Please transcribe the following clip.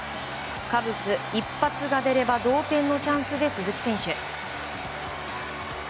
カブス、一発が出れば同点のチャンスで、鈴木選手。